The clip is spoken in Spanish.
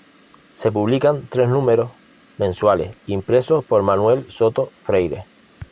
Se publicaban tres números mensuales impresos por Manuel Soto Freire.